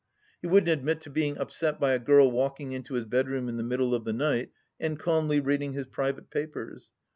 He wouldn't admit to being upset by a girl walking into his bedroom in the middle of the night and calmly reading his private papers.